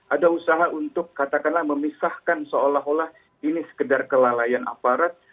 ada usaha untuk katakanlah memisahkan seolah olah ini sekedar kelalaian aparat